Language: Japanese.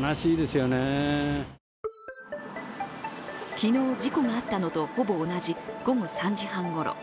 昨日、事故があったのとほぼ同じ午後３時半ごろ。